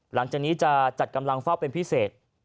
หลังจากนี้จะจัดกำลังเฝ้าเป็นพิเศษ